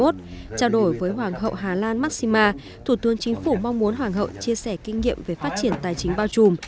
trao đổi với hoàng hậu hà lan massima thủ tướng chính phủ mong muốn hoàng hậu chia sẻ kinh nghiệm về phát triển tài chính bao trùm